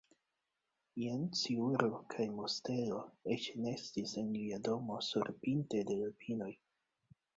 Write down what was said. Iam sciuro kaj mustelo eĉ nestis en lia domo surpinte de la pinoj.